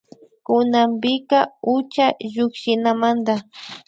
Kunanpika ucha llukshinamanda